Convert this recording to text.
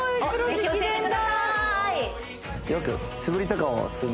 ぜひ教えてください